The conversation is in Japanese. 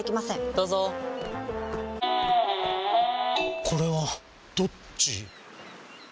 どうぞこれはどっち？